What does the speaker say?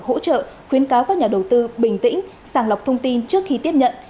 hỗ trợ khuyến cáo các nhà đầu tư bình tĩnh sàng lọc thông tin trước khi tiếp nhận